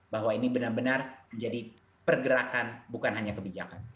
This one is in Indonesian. bahwa ini benar benar menjadi pergerakan bukan hanya kebijakan